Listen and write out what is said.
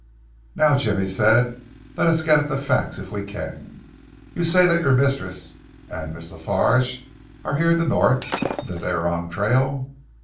"Now, Jim," he said, "let us get at the facts if we can. You say that your mistress and Miss La Farge are here in the North, and that they are on trail?"